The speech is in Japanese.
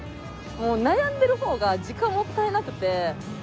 もう悩んでる方が時間もったいなくて。